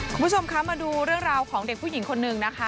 คุณผู้ชมคะมาดูเรื่องราวของเด็กผู้หญิงคนนึงนะคะ